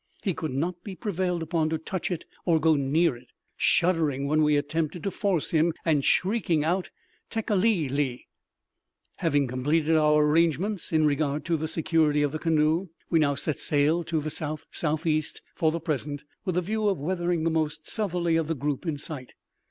He could not be prevailed upon to touch it or go near it, shuddering when we attempted to force him, and shrieking out, "Tekeli li!" Having completed our arrangements in regard to the security of the canoe, we now set sail to the south southeast for the present, with the view of weathering the most southerly of the group in sight.